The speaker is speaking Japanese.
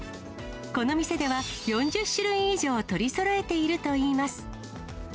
この店では、４０種類以上取りそろえているといいます。